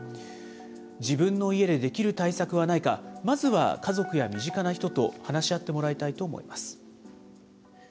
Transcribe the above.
自分の家でできる対策はないか、まずは家族や身近な人と話し合ってもらいたいと思います。